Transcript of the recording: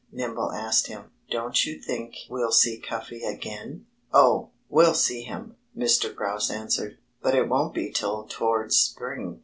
Nimble asked him. "Don't you think we'll see Cuffy again?" "Oh, we'll see him," Mr. Grouse answered. "But it won't be till towards spring.